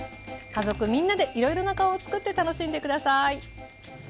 家族みんなでいろいろな顔をつくって楽しんで下さい。